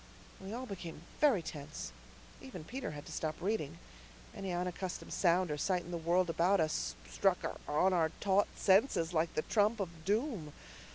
We all became very tense. Even Peter had to stop reading. Any unaccustomed sound or sight in the world about us struck on our taut senses like the trump of doom.